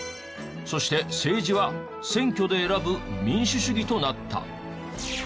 そして政治は選挙で選ぶ民主主義となった。